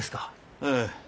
ええ。